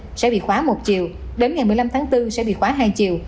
thông tin sẽ bị khóa một triệu đến ngày một mươi năm tháng bốn sẽ bị khóa hai triệu